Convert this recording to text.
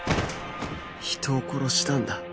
人を殺したんだ